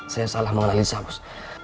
saya salah mengalahin saya bos